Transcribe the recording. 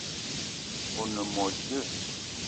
O ne mo djeue?